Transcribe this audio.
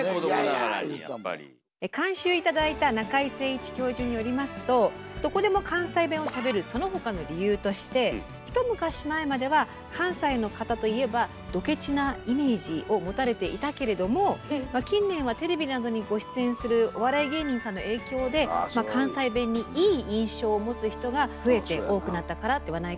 監修頂いた中井精一教授によりますとどこでも関西弁をしゃべるそのほかの理由としてひと昔前までは関西の方といえばどケチなイメージを持たれていたけれども近年はテレビなどにご出演するお笑い芸人さんの影響で関西弁にいい印象を持つ人が増えて多くなったからではないかと。